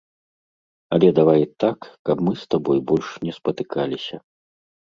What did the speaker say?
Але давай так, каб мы з табою больш не спатыкаліся.